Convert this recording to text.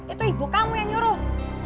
itu ibu kamu yang nyuruh